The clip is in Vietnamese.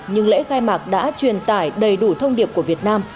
nhưng lễ khai mạc đã truyền tải đầy đủ thông điệp của việt nam